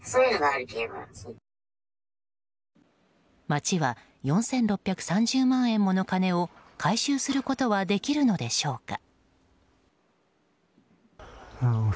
町は４６３０万円もの金を回収することはできるのでしょうか。